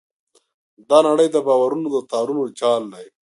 دا نړۍ د باورونو د تارونو جال دی.